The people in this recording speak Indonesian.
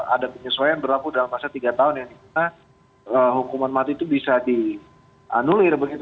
ada penyesuaian berlaku dalam masa tiga tahun yang dimana hukuman mati itu bisa dianulir begitu